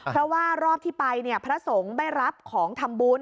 เพราะว่ารอบที่ไปพระสงฆ์ไม่รับของทำบุญ